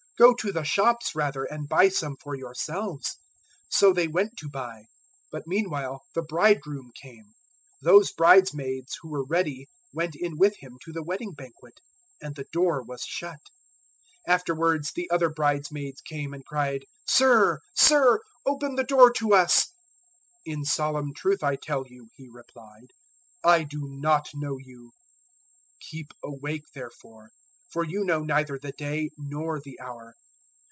Go to the shops rather, and buy some for yourselves.' 025:010 "So they went to buy. But meanwhile the bridegroom came; those bridesmaids who were ready went in with him to the wedding banquet; and the door was shut. 025:011 "Afterwards the other bridesmaids came and cried, "`Sir, Sir, open the door to us.' 025:012 "`In solemn truth I tell you,' he replied, `I do not know you.' 025:013 "Keep awake therefore; for you know neither the day nor the hour.